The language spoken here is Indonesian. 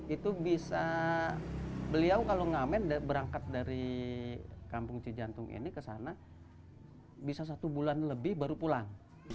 itu bisa beliau kalau ngamen berangkat dari kampung cijantung ini ke sana bisa satu bulan lebih baru pulang